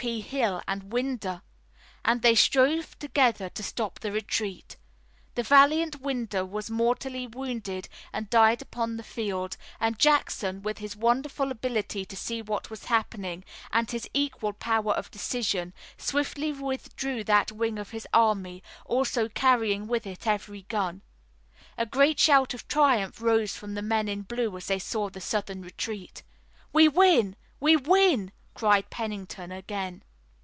P. Hill and Winder, and they strove together to stop the retreat. The valiant Winder was mortally wounded and died upon the field, and Jackson, with his wonderful ability to see what was happening and his equal power of decision, swiftly withdrew that wing of his army, also carrying with it every gun. A great shout of triumph rose from the men in blue as they saw the Southern retreat. "We win! We win!" cried Pennington again.